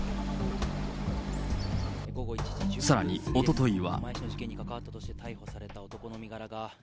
さらに、おとといは。